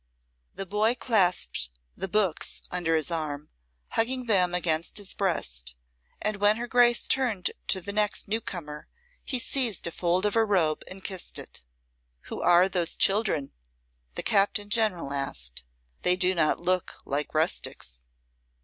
The boy clasped the books under his arm, hugging them against his breast, and when her Grace turned to the next newcomer he seized a fold of her robe and kissed it. "Who are those children?" the Captain General asked. "They do not look like rustics."